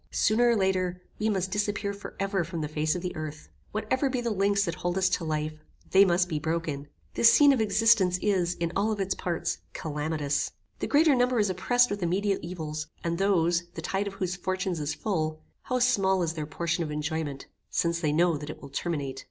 Sooner or later, we must disappear for ever from the face of the earth. Whatever be the links that hold us to life, they must be broken. This scene of existence is, in all its parts, calamitous. The greater number is oppressed with immediate evils, and those, the tide of whose fortunes is full, how small is their portion of enjoyment, since they know that it will terminate.